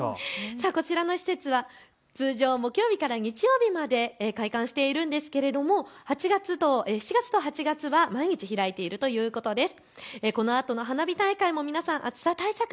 こちらの施設は通常、木曜日から日曜日まで開館しているんですが７月と８月は毎日、開いているということです。